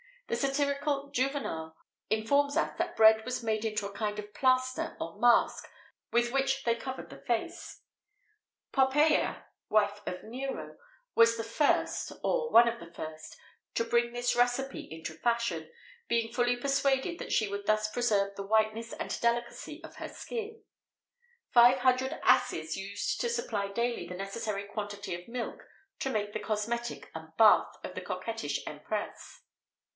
The satirical Juvenal informs us that bread was made into a kind of plaster or mask, with which they covered the face.[XVIII 17] Poppæia, wife of Nero, was the first, or one of the first, to bring this recipe into fashion, being fully persuaded that she would thus preserve the whiteness and delicacy of her skin. Five hundred asses used to supply daily the necessary quantity of milk to make the cosmetic and bath[XVIII 18] of the coquettish empress.